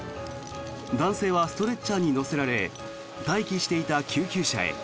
男性はストレッチャーに乗せられ待機していた救急車へ。